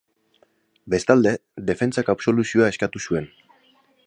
Bestalde, defentsak absoluzioa eskatu zuen.